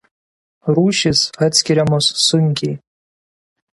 Rūšys atskiriamos sunkiai.